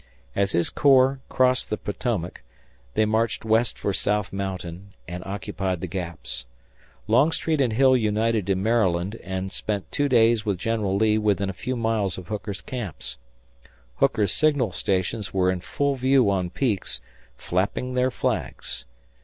As his corps crossed the Potomac, they marched west for South Mountain and occupied the Gaps. Longstreet and Hill united in Maryland and spent two days with General Lee within a few miles of Hooker's camps. Hooker's signal stations were in full view on peaks, flapping their flags.